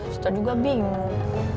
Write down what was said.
citra juga bingung